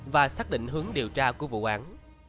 và xác định hướng điều tra của vụ án